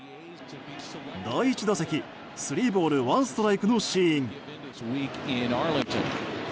第１打席、スリーボールワンストライクのシーン。